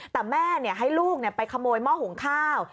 แต่แม่ให้ลูกไปขโมยหม้อหุงข้าว